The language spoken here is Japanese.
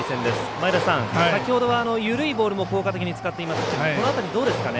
前田さん、先ほどは緩いボールも効果的に使っていましたけどこの辺りどうですかね？